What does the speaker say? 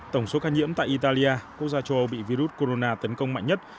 tổng số ca nhiễm tại italia quốc gia châu âu bị virus corona tấn công mạnh nhất